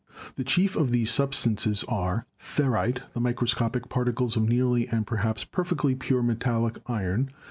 The chief of these substances are — Ferrite, the microscopic particles of nearly and perhaps perfectly pure metallic iron.